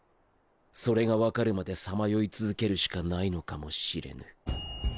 それがわかるまでさまよい続けるしかないのかもしれぬ。